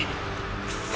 クソ！